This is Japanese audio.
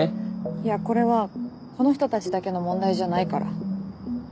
いやこれはこの人たちだけの問題じゃないから。